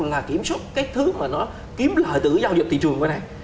là kiểm soát cái thứ mà nó kiếm lợi từ giao dịch thị trường bên này